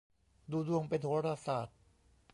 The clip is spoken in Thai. ดูดวงเป็นโหราศาสตร์